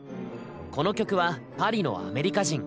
この曲は「パリのアメリカ人」。